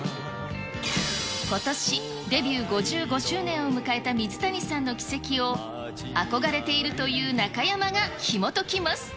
ことしデビュー５５周年を迎えた水谷さんの軌跡を、憧れているという中山がひもときます。